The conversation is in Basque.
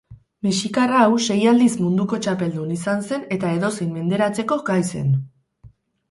Mexikar hau sei aldiz munduko txapeldun izan zen eta edozein menderatzeko gai zen.